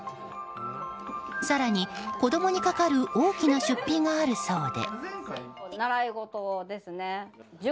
更に、子供にかかる大きな出費があるそうで。